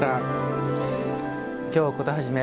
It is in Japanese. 「京コトはじめ」